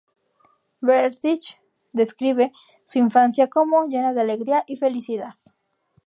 Berdych describe su infancia como llena de alegría y felicidad.